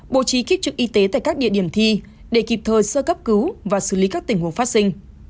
bộ trí kích trực y tế tại các địa điểm thi để kịp thời sơ cấp cứu và xử lý các tình huống phát sinh